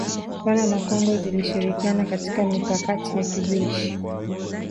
Rwanda na Kongo zilishirikiana katika mikakati ya kijeshi